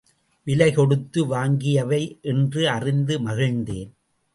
விலை கொடுத்து வாங்கியவை என்று அறிந்து மகிழ்ந்தேன்.